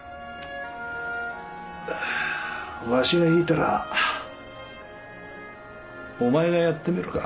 わしが引いたらお前がやってみるか？